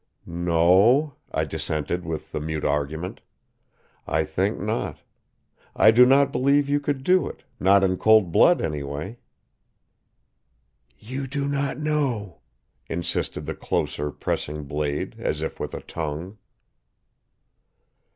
"No," I dissented with the mute argument. "I think not. I do not believe you could do it; not in cold blood, anyway!" "You do not know," insisted the closer pressing blade, as if with a tongue.